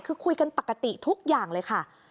คือคุยกันปกติทุกอย่างเลยค่ะ